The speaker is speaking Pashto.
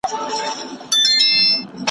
صدقه د غریبانو د زړونو د ګټلو غوره لاره ده.